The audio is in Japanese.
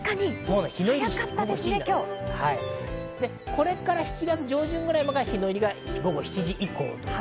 これから７月上旬ぐらいまでが日の入りが午後７時以降。